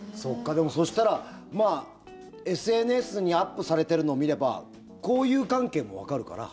でも、そしたらＳＮＳにアップされてるのを見れば交友関係もわかるから。